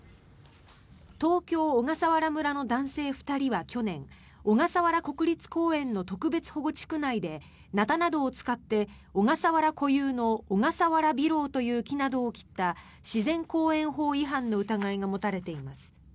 東京・小笠原村の男性２人は去年小笠原国立公園の特別保護地区内でナタなどを使って小笠原固有のオガサワラビロウという木などを切った自然公園法違反の疑いが持たれています。